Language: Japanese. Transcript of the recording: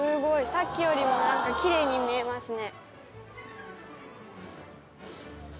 さっきよりもきれいに見えますね。